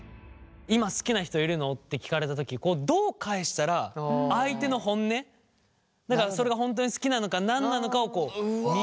「今好きな人いるの？」って聞かれたときどう返したら相手の本音だからそれが本当に好きなのか何なのかを見極められるのか。